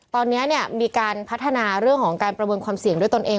ตอนนี้มีการพัฒนาเรื่องของการประเมินความเสี่ยงด้วยตนเอง